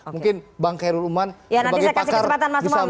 mungkin bank heru luman sebagai pakar bisa menjelaskan